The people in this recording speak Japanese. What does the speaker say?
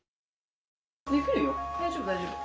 できるよ大丈夫大丈夫。